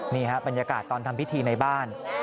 บรรยากาศตอนทำพิธีในบ้าน